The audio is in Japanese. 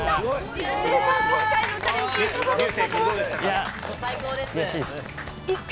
リューセーさん、今回のチャレンジ、いかがでしたか？